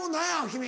君。